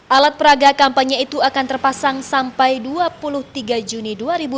alat peraga kampanye itu akan terpasang sampai dua puluh tiga juni dua ribu dua puluh